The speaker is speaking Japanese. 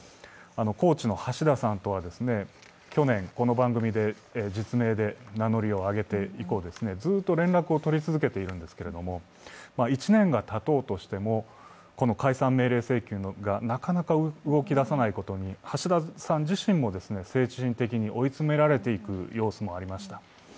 高知の橋田さんとは去年、この番組で実名で名乗りを上げて以降、ずっと連絡を取り続けているんですけれども、１年がたとうとしてもこの解散命令請求がなかなか動き出さないことに橋田さん自身も精神的に追い詰められていく様子もありました。